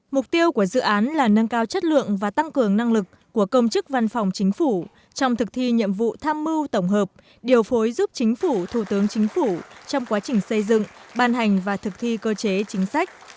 mục tiêu của dự án là nâng cao chất lượng và tăng cường năng lực của công chức văn phòng chính phủ trong thực thi nhiệm vụ tham mưu tổng hợp điều phối giúp chính phủ thủ tướng chính phủ trong quá trình xây dựng ban hành và thực thi cơ chế chính sách